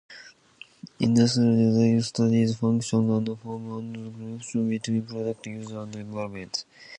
Industrial design studies function and form-and the connection between product, user, and environment.